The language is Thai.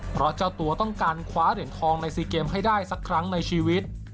เพราะเจ้าตัวต้องการคว้าเหรียญทองใน๔เกมให้ได้สักครั้งในชีวิต